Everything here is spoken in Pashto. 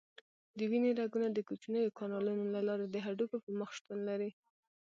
د وینې رګونه د کوچنیو کانالونو له لارې د هډوکو په مخ شتون لري.